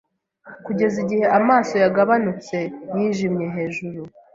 Kugeza igihe amaso yagabanutse yijimye hejuru